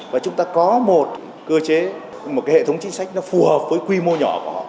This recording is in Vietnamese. và chúng ta có một cơ chế một hệ thống chính sách phù hợp với quy mô nhỏ của họ